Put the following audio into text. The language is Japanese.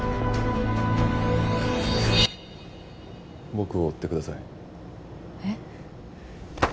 僕を追ってくださいえっ？